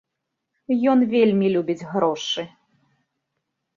Ён вельмі любіць грошы.